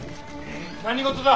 何事だ？